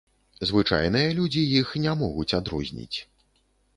Звычайныя людзі іх не могуць адрозніць.